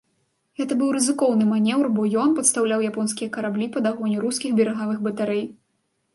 Гэта быў рызыкоўны манеўр, бо ён падстаўляў японскія караблі пад агонь рускіх берагавых батарэй.